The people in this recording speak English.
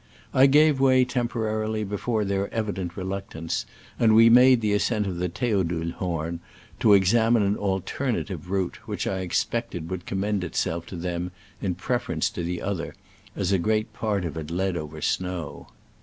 I gave way temporarily before their evident re luctance, and we made the ascent of the Theodulhorn to examine an alternative route, which I expected would commend itself to them in preference to the other, as a great part of it led over snow.